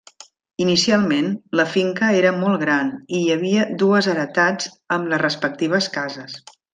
Inicialment, la finca era molt gran i hi havia dues heretats amb les respectives cases.